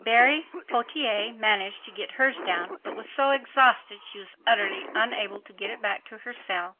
Berry Pottier managed to get hers down, but was so exhausted she was utterly unable to get it back to her cell.